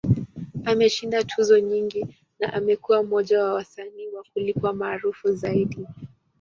Ameshinda tuzo nyingi, na amekuwa mmoja wa wasanii wa kulipwa maarufu zaidi.